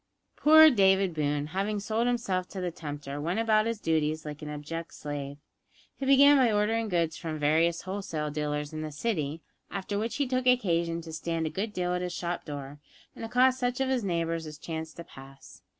Poor David Boone, having sold himself to the tempter, went about his duties like an abject slave. He began by ordering goods from various wholesale dealers in the city, after which he took occasion to stand a good deal at his shop door and accost such of his neighbours as chanced to pass.